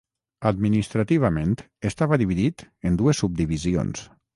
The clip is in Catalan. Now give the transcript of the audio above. Administrativament estava dividit en dues subdivisions.